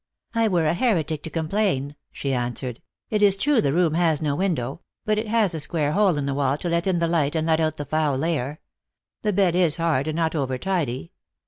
" I were a heretic to complain," she answered. " It is true the room has no window; but it has a square hole in the wall to let in the light and let out the foul air. The bed is hard and not over tidy.